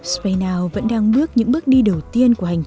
spaynow vẫn đang bước những bước đi đầu tiên của hành trình của chúng tôi